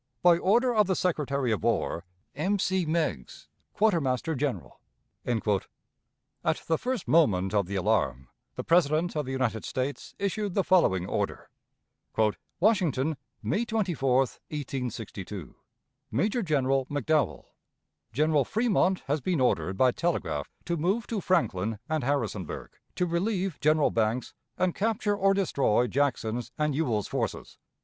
"By order of the Secretary of War: "M. C. MEIGS, "Quartermaster General." At the first moment of the alarm, the President of the United States issued the following order: "WASHINGTON, May 24 1862. "Major General MCDOWELL. "General Fremont has been ordered by telegraph to move to Franklin and Harrisonburg to relieve General Banks and capture or destroy Jackson's and Ewell's forces.